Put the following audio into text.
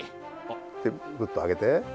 でグッと上げて。